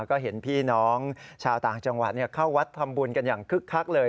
ก็เห็นพี่น้องชาวต่างจังหวัดเข้าวัดทำบุญกันอย่างคึกคักเลย